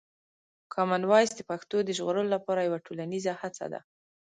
کامن وایس د پښتو د ژغورلو لپاره یوه ټولنیزه هڅه ده.